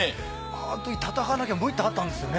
あのとき戦わなきゃもう１体あったんですよね。